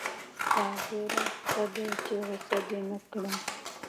صابره ښه ده چې غصه دې نه کړم